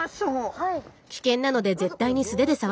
はい。